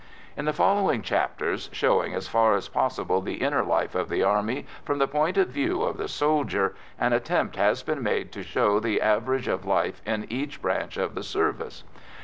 In the following chapters, showing as far as possible the inner life of the Army from the point of view of the soldier, an attempt has been made to show the average of life in each branch of the service.